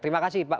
terima kasih pak